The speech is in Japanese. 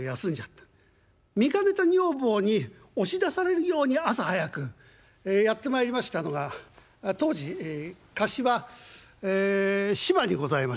見かねた女房に押し出されるように朝早くやって参りましたのが当時河岸は芝にございまして。